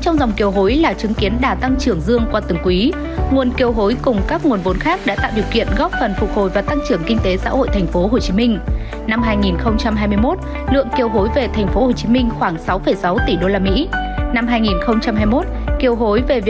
trong đó lượng kiều hối gửi qua các tổ chức tiến dụng khoảng bảy các công ty kiều hối hai mươi tám qua biểu điện hai